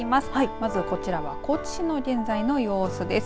まずこちらは高知市の現在の様子です。